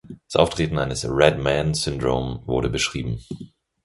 Das Auftreten eines Red man syndrome wurde beschrieben.